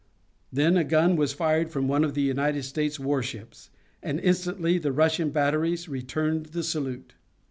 Then a gun was fired from one of the United States war ships, and instantly the Russian batteries returned the salute.